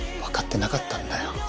分かってなかったんだよ